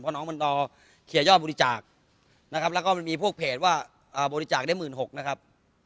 เพราะน้องมันต้องเคลียร์ยอบบุติจากนะครับแล้วก็มันมีพวกเพจว่าบุติจากได้หมื่นหกนะครับ